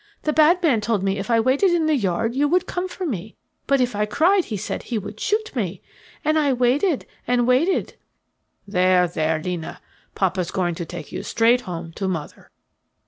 The bad man told me if I waited in the yard you would come for me. But if I cried he said he would shoot me. And I waited, and waited " "There, there, 'Lina, papa's going to take you straight home to mother."